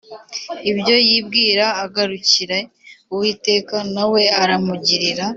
ibyo yibwira agarukire Uwiteka na we aramugirira